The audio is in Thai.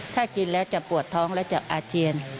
ถ้ากินแล้วจะปวดท้องแล้วจะอาเจียน